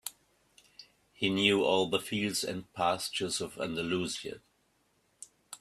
He knew all the fields and pastures of Andalusia.